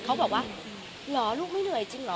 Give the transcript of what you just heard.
เขาบอกว่าเหรอลูกไม่เหนื่อยจริงเหรอ